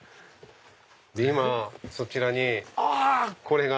今そちらにこれが。